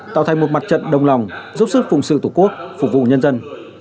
tạo thành một mặt trận đồng lòng giúp sức phụng sự tổ quốc phục vụ nhân dân